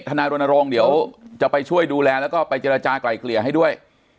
นายรณรงค์เดี๋ยวจะไปช่วยดูแลแล้วก็ไปเจรจากลายเกลี่ยให้ด้วย